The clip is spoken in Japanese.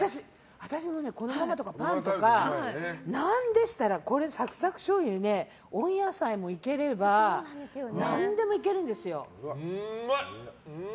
私も、このままとかパンとか何でしたら、サクサクしょうゆに温野菜もいければ何でもいけるんですよ。